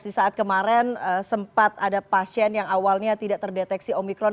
di saat kemarin sempat ada pasien yang awalnya tidak terdeteksi omikron